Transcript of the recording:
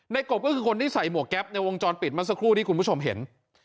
กบก็คือคนที่ใส่หมวกแก๊ปในวงจรปิดเมื่อสักครู่ที่คุณผู้ชมเห็น